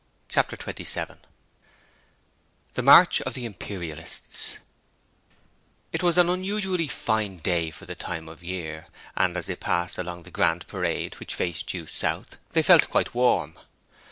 Chapter 27 The March of the Imperialists It was an unusually fine day for the time of year, and as they passed along the Grand Parade which faced due south they felt quite warm.